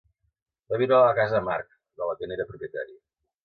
Va viure a la Casa Marc, de la que n'era propietari.